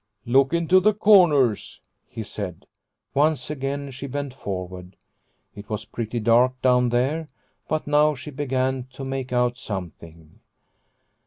" Look into the corners !" he said. Once again she bent forward. It was pretty dark down there, but now she began to make out something.